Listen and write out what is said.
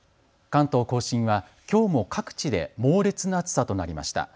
関東甲信はきょうも各地で猛烈な暑さとなりました。